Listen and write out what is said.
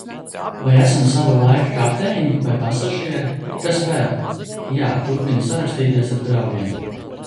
Vai esam sava laika kapteiņi vai pasažieri? Kas vēl? Jā, turpinu sarakstīties ar draugiem.